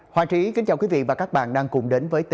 hoàn chỉ ý kính chào quý vị và các bạn đang cùng đến với hòa chí